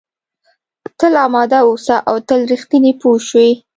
تل اماده اوسه او تل رښتینی پوه شوې!.